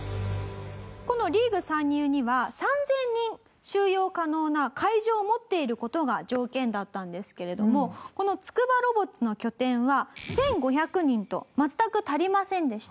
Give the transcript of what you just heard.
このリーグ参入には３０００人収容可能な会場を持っている事が条件だったんですけれどもこのつくばロボッツの拠点は１５００人と全く足りませんでした。